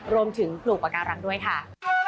รวมถึงปลูกปาการังด้วยค่ะ